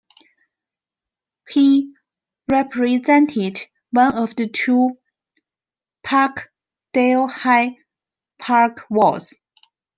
He represented one of the two Parkdale-High Park wards.